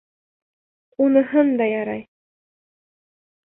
— Уныһын да ярай.